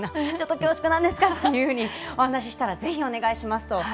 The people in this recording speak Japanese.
ちょっと恐縮なんですがとお話ししたらぜひお願いしますと。